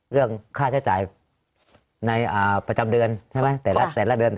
เรื่องค่าใช้จ่ายในประจำเดือนใช่ไหมแต่ละเดือน